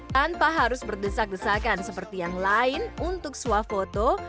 tanpa harus berdesak desakan seperti yang lain untuk swafoto